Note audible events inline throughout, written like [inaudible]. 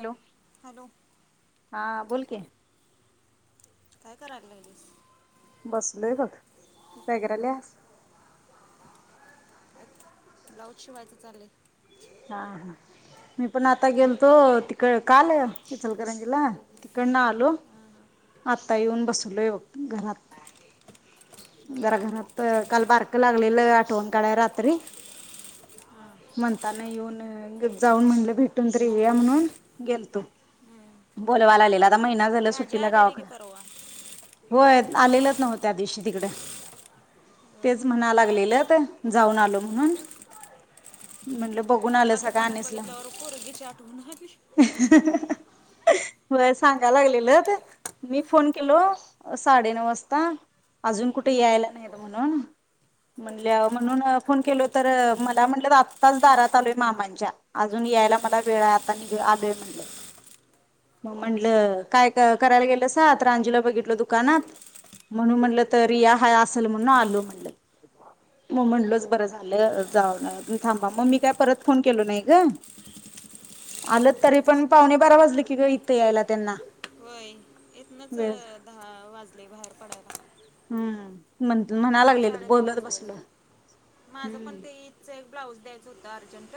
Hello hello हा बोल कि काय करायला लागलीस बसलोय बग तू काय कराल्यास ब्लाऊज शिवायचं चालय हा हा मी पण आता गेलतो तिकड काल इचलकरंजीला, तिकड न आलो आता येऊन बसवलोय बघ घरात घराघरात म काल बारक लागलेलं आठवण काढय रात्री हा. म आता येऊन जाऊन म्हणलं भेटून तरी येउया म्हणून गेलतो हम्म. बोलवा लागलेला. आ महिना झाला दाजी सुट्टीला आलेली गावाकड की परवा होय. आलेलच नव्ह त्या दिवशी तिकड हं. तेच म्हणा लागलेलंत जाऊन आलो म्हणून म्हणल ब मला दुकानात बघितल्यावर कोरोची ची आठवण आली. वय सांगा लागलेलत मी फोन केलो साडेनऊ वाजता अजून कुठे हं. यायला नाहीत म्हणून म्हटल्यावर म्हणून फोन केल तर मला म्हटलं आ आताच दारात आलोय मामांच्या अजून यायला मला वेळा आता निघ आलोय म्हणलं मग हं. म्हटलं काय कराला गेलसा तर अंजुला बघितलो दुकानात म्हणून म्हणलं तरिया हाय असलं म्हणून आलो म्हणलं. मग म्हणलं हं. बर झालं जावं थांबा मग मी काय परत फोन केलो नाही ग हा, आलंत तरी पण पावणे बारा वाजले की इथं यायला त्यांना च वेळ दहा वाजले बाहेर पडाय ला मं म्हणा लागलेलत बोललं बसलेल माझं पण हम्म ते इथचं एक ब्लाऊज द्याच होत अर्जंट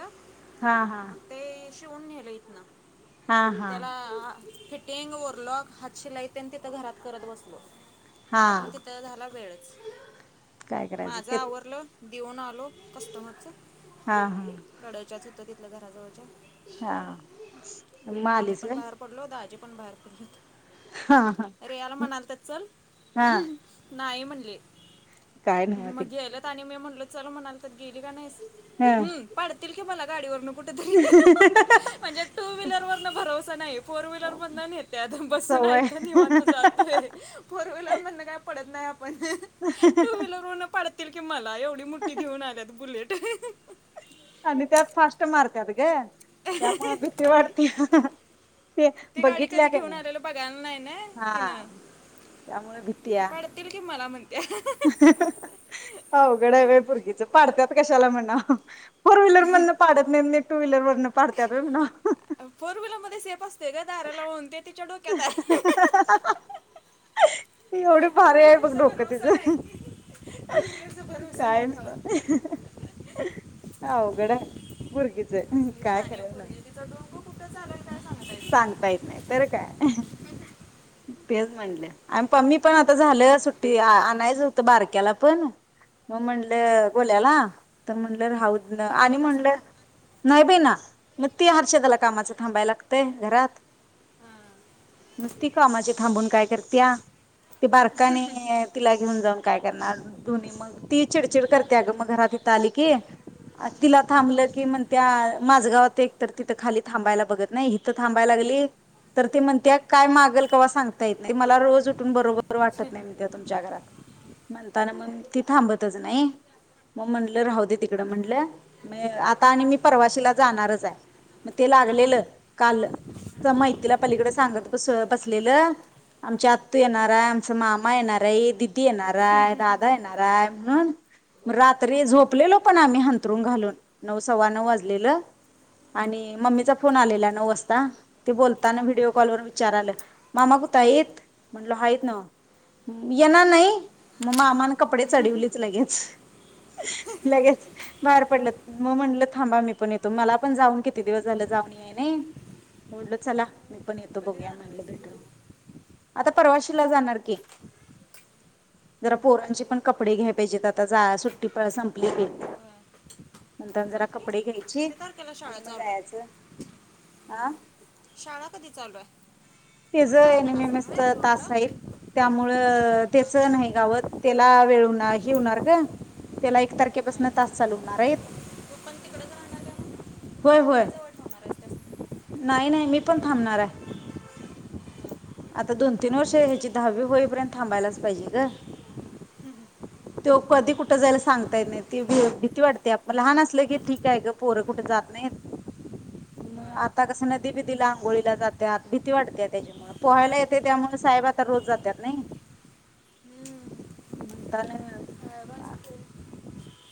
हा हा मग ते शिवून नेल हितन- हा म हा तेला ह फिट- टेंग ओव्हरलॉक हातशिलाई तेन तिथं घरात करत बसले - मला पण हा तिथं झाला काय वेळच- करायचं माझ ते आवरलं, देऊन आलो कस्टमरच हा हा -कडच्या सुद्धा तिथल्या घराजवळच- हा -म आम्ही आलीस पण व्हय- बाहेर पडलो दाजी पण बाहेर पडली. हा हा रेयाला म्हणालते चल- हा नाही म्हणले. काय नव्ह म ते गेलत आणि मी म्हणलं- चल म्हणालतं तर गेली का नाहीस? हा हम्म -पाडतील मला गाडीवर नेऊन - कुठतरी, म्हणजे? टू व्हीलर वरण नाही. फोर व्हीलर मधन नेत्यात. आ? बसून सवय आयत निवांत जातोय फोर व्हीलर मधन काय पडत नाही आप - पण ते - टू व्हीलर वरून पाडत - [unintelligible] नाही एवढी मोठी घेऊन आल्यात बुलेट. आणि त्यात फास्ट मारतात ग- त्यामुळे भीती वाढत्या ते ती गाडी बघितल्या कधी घेऊन कणी आलेलं बघायला नाही ना तिनं हा- त्यामुळे भीतीया पडतील की मला म्हणते अवघड आहे बाई पोरगीच. [unintelligible] कशाला म्हणा? फोर व्हीलर मधनं पाडत नाहीत - टू व्हीलर वरनं पाडत्यात होय ना - फोर व्हीलर मध्ये सेफ असतोय ग दार लावून, ते तिच्या डोक्याताय- एवढं- भारी आहे बघ डोकं तुझं - तुला भरोसा नाही काय तिला. नव्ह अवघड हाय पोरगीच, असली काय खर नाही. [unintelligible] आहे काय सांगता येत सांगता येत नाही तर काय तेच म्हणलं आणि मी पण आता झालं सुट्टी आणायच होत बारक्याला पण मग हां. म्हणलं गोल्याला तर म्हणलं राहू दे घेऊन आणि गेला असं म्हणलं काय नाही [unintelligible] म ते हर्षदा ला कामाचं थांबाय लागतय घरात हां. [inaudible] नक्ती कामाची थांबून काय करत्या ती बारक आणिन तिला घेऊन जाऊ काय करणार मग दोनी म ती चिडचिड करत्या ग म घरात इथं आली की तिला थांबलं की म्हणत्या माझगावात एक तर तिथ खाली थबायला बघत नई हिथ थांबाय लागली तर ते म्हणत्या काय मागल ते सांगता येत नाही मला रोज उठून बरोबर बरं वाटत नाही म्हणत्या तुमच्या घरात म्हणताना मग ती थांबतच नाही मग म्हणलं राहू दे तिकड म्हणलं म आता आणि मी परवाशला जाणारच आहे मग ते लागलेलं काल माहितीला पलीकडे सांगत बसलेलं आमच्या आतू येणारय आमचा मामा येणार आहेदी ी येणारय दादा येणार राय रात्री झोपलेलो पण आम्ही हंतरुून घालून नऊ सव्वा नऊ वाजलेलं आणि मममीचा फोन आलेला नऊ वाजता ते बोलताना व्हिडिओ कॉल वर विचार मामा कुटायत म्हणल हायत न्हवं म येणार नाही मामान कपडे चढवलेच लगेच लगेच बाहेर पडलं मग म्हटलं थांबा मी पण येतो मला पण जाऊन किती दिवस झाल जाऊन याय नाही म म्हणल चला मी पण येतो कधी बघूया जाणार म्हटलं आहेस तिकडं भेटून मग आता परवाशीला जाणार की जरा पोरांचे पण कपडे घ्याय पाहिजे आता जा सुट्टी प संपली की होय. नंतर जरा संपली कपडे घ्यायचे किती तारखेला आणि शाळा मग चालू आहे जायचं हा शाळा कधी चालूय तेज एन एम एम एस च तासायत त्यामुळ मुळ हां, त्याच हां. नाही गावत त्याला वेळ हे होणार का त्याला एक तारखेपासून हां. तास चालू होणार हायत तू पण तिकडेच राहणार का मग? होय होय रात्री जवळ ठेवणार आहेस त्यास नाही नाही मी पण थांबणाराय आता दोन तीन वर्ष ह्याची दहावी होईपर्यंत थांबायलाच पाहिजे ग त्यो कधी कुठं जायला सांगता येत नाही ती भ भीती वाटते आपण लहान असल की ठीक आहे ग पोर कुठे जात नाहीत म आहेत आता कसं नदी बदीला आंघोळीला जात्यात भीती वाटते त्याच्यामुळ पोहायला येते त्यामुळ साहेब आता रोज जात्यात नाई म्हणता ना मा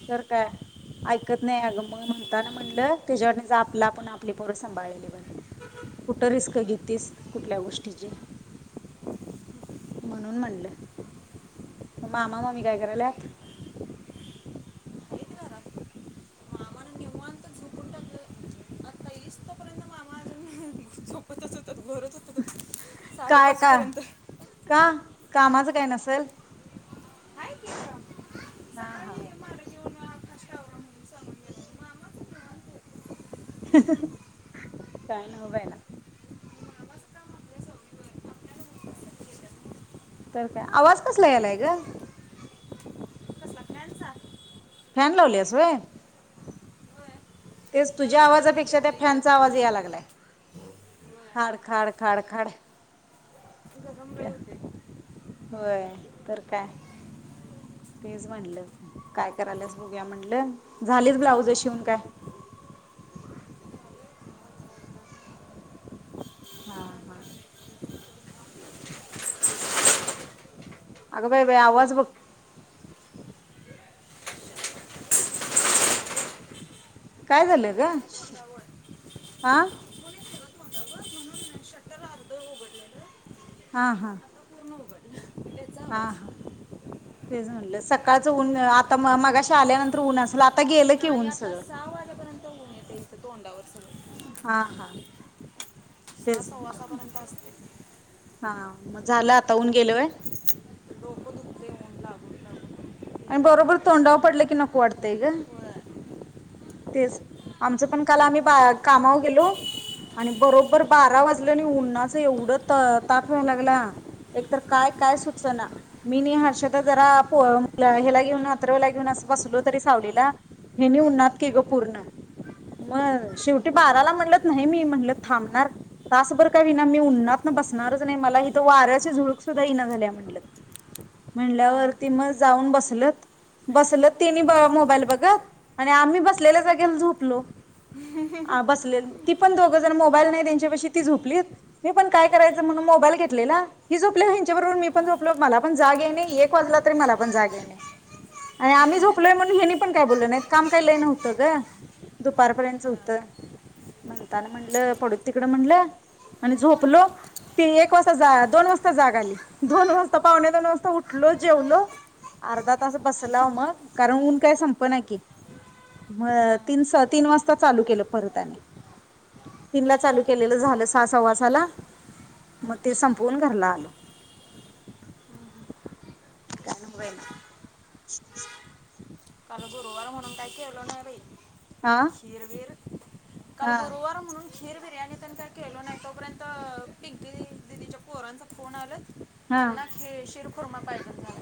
तर काय ऐकत नाही अग म म्हणताना म्हणलं त्याच्यावर आपला पण आपले पोरं सांभाळलेले बर कुठं रिस्क घेततीस कुठल्या गोष्टीची म्हणून म्हणलं मामा मामी काय करायलात घरात मामानं निवांत झोपून टाकलं आता येईस तोपर्यंत [inaudible] भरत होत काय साडेपाच का पर्यंत का कामाचं काही नसल की काम [inaudible] हा सकाळी हा मारत येऊन आकाश टावरा म्हणून सांगून गेला मामाचं निवांत आहे. [inaudible] काय न्हव बय ना मामाचं काम आपल्या सवयीवर आपल्याला माहितीच सगळी येतात. तर काय आवाज कसला यालाय ग कसला फॅनचा फॅन लावल्यास वय होय तेच गरम तुझ्या होते बाई आवाजापेक्षा त्या केवढं इथं फॅनचा आवाज याय लागलाय होय खाड खाड खाड खाड गरमले होते [inaudible] होय तर काय तेच म्हटलं काय करायलास बघुया म्हटलं झालीच ब्लाउज शिवुन काय हा हा अगं बाई बाई आवाज बघ - काय ऊन झालं ग येते ना तोंडावर [inaudible] हा ऊन येते ना तोंडावर म्हणून शटर अर्ध उघडलेलं हा हा. आता पूर्ण उघडलं त्याचा हा आवाज हा तेच म्हणलं सकाळच ऊन आता म मगाशी, आल्यानंतर ऊन असल आता गेलं की नाही ऊन आता सगळं सहा वाजेपर्यंत ऊन येते इथं तोंडावर सगळं हा हां तेच कुठपर्यंत असतय. हा मग झालं आता ऊन गेल होय. डोकं दुखते ऊन लागून लागून आणि गेला बरोबर आता तोंडाव पडलं की नको वाटतंय ग! होय तेच आमचं पण काल आम्ही बा कामावर गेलो आणि बरोबर बारा वाजल नी उन्हाच एवढं ताप व्हायला लागला. एकतर काय काय सुचना मी नी हर्षदा जरा पो हेला घेऊन अथर्वला घेऊन अस बसलो तरी, सावलीला हेनी उन्हात. तिघ पूर्ण मग शेवटी बाराला म्हणलत नाही मी म्हणल, थांबणार तासभर काय व्हईना मी उन्हातन बसणारच, नाही मला हिथ वाऱ्याची झुळक सुद्धा इना झाल्या म्हणलत हा. म्हणल्यावरती मग जाऊन बसलत बसलत तिनी मोबाईल बघत आणि आम्ही बस बसलेल्या जागेला झोपलो. आ बसलेत. ती पण दोघं जण मोबाईल नाही त्यांच्याबशी ती झोपलीत. मी पण काय करायचं म्हणून मोबाईल घेतलेला ही झोपल्यावर हेंच्या बरोबर मी पण झोपलो मला पण जाग याय नाही. एक वाजला तरी मला पण जाग याय नाही आणि आम्ही झोपलोय म्हणून हेनी पण काय बोललं नाहीत? काम काय लई नव्ह त ग दुपारपर्यंतच व्हत. म्हणताना म्हणलं पडूत तिकडं म्हणलं आणि झोपलो ते एक वाजता जा दोन वाजता जाग आली दोन वाजता पावणे दोन वाजता उठलो, जेवलो, अर्धा तास बसलाव मग कारण, ऊन काय संपना की म हां तीन सवा तीन वाजता चालू केल, परत आणि तीनला चालू केलेलं झालं सा सव्वा साला म ते संपवून घरला आलो. काल गुरुवार म्हणून काय केलो नाही बाई. हा खीर बीर काल हा गुरुवार म्हणून खीर बिर्याणी तेन काय केलो नाही. तोपर्यंत पिंकी दिदीच्या पोरांचा फोन आलत. हा त्यांना ते शिर खुर्मा पाहिजे होता.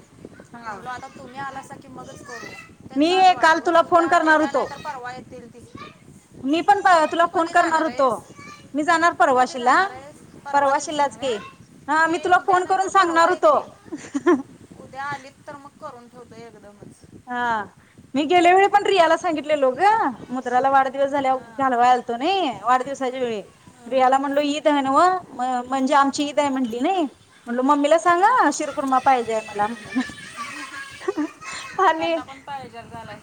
हा म्हणलो आता तुम्ही आलासा. न कि मगच करू. त्यांचा मी आज काल वाढदिवस तुला उद्या, फोन करणार उद्या नाही होतो तर परवा येतील. [unintelligible] मी पण तुला तू फोन कधी करणार जाणार होतो. आहेस मी जाणार तू कधी परवाशिला जाणार आहेस परवा दिवशी परवाशिलाच की नव्हे ह मी ते तुला उद्या फोन नाही करून तर सांगणार परवा होतो. येतील होतय एकदमच. हा. मी गेले वेळी पण रियाला सांगितलेलो ग मुद्राला वाढदिवस झाल्या हां घालवाय हां आलतो नाही. वाढदि वसाच्या वेळी रियाला म्हणलो ईद हाय नव्ह. म्हणजे आमची ईद हाय म्हंटली नाही म्हणलो मम्मीला सांग ह शिरकुर्मा पाहिजेय मला म्हणून. ह ह आणि त्यांना पण पॅरेजर झालाय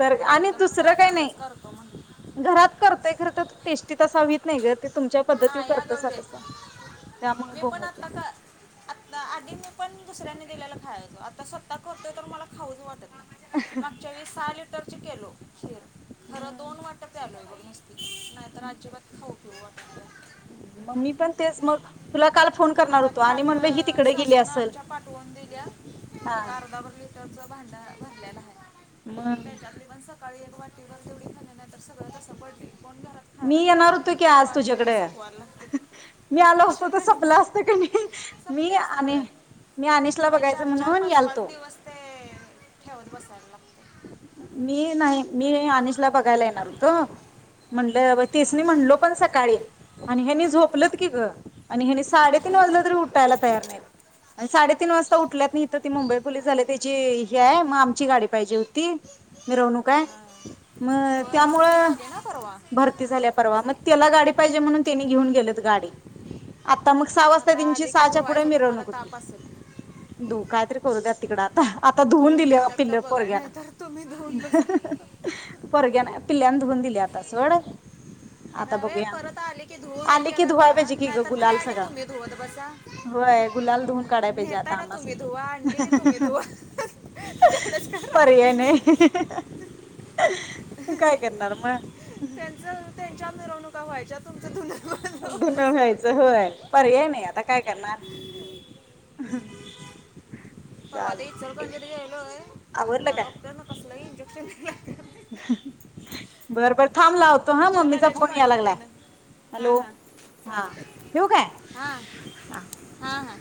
तर मग आणि एकदमच दुसरं काही नाही आल्यावरच करतो म्हणून घरात करतोय खर, तर टेस्टी तसं व्हीत नाही ग ते तुमच्या पद्धती तू नाही अगं करत्यासा तसा वेळ त्यामुळ मी बोंब पण व्हतिया. आता का आत्ता आधी मी पण दुसऱ्यांनी दिलेला खायाचं. आता स्वतः करतोय तर मला खाऊच वाटत नाही. मागच्या वेळेस आले तर चि केलो खीर नाही तर अजिबात खाऊ पिऊ वाट ना झालत. म मी पण तेच मग तुला काल फोन करणार होतो आणि म्हटल ही ती चूना आमच्या पाठवून दिल्या. हा एका अर्धाबर होईल. कुकरच भांड भरल्याल हाय. मग. काळी वाटीवर तेवढी खाल्ल नाही तर सगळ तसच पडलंय. मी येणार होतो की आज तुझ्याकड. सपवायला लागते हह मी आलो असतो येशील तर संपल असत की नहीं. मी आणि मी अनिशला बघायचं चार-चार म्हणून पाच- पाच यालतो दिवस ते ठेवून बसायला लागत. मी नाही मी आनिशला बघायला येणार होतो. म्हणलं तेचनी हां म्हणलो पण सकाळी आणि हयांनी झोपलत की ग आणि ह्यांनी साडेतीन वाजलं तरी उठायला तयार नाही आणि साडेतीन वाजता उठल्यात नाही तर ती मुंबई पुलीस झाली. त्याची ही आहे मग आमची गाडी पाहिजे होती. ती मिरवणूक आहे. हां मग होय त्यामुळ भरती झाली ना परवा भरती कुठं झाल्या कुठं परवा. मग सगळी त्याला गाडी पाहिजे म्हणून ते घेऊन गेलत गाडी. आता मग सहा वाजता आता ती तेंची आले की साहाच्या पुढे धुवायचा तुम्हाला मिरवणूक ताप होती. असेल दुप कायतरी करू द्या तिकड आता. आता धुवून दिले देतात का पिल्ल बघा पोरग्याना. नाहीतर तुम्ही धरून बसा पोरग्यान पिल्ल्याने धुवून दिली आता सोड आता बघूया परत आले की धुव आले नेते की काय धुवाय बघा पाहिजे की ग नाहीतर फ गुलाल आण सगळा. तुम्ही धुवत बसा होय गुलाल धुवून काढाय पाहिजे नेहता आता ना तुम्ही आम्हासनी. धुवा आणली की तुम्ही धुवा तेवढच का ना पर्याय नाही काय करणार म त्यांचं त्यांच्या मिरवणुका व्हायच्या तुमच तु धून व्हायचं पर्याय नाही आता काय करणार परवा ते चालतय इचलकरंजीत गेलोय आणि आवरल त्या काय डॉक्टरनं कसलं इंजेक्शन दिलं बर बर थांब लावतो हा दुखणं मम्मीचा लागायची फोन पाळी यायला लागलाय त्यानं हां हॅलो हां हा चालतं ठेवू काय हां हा हां हां